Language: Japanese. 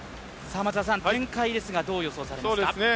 展開ですが、どう予想されますか？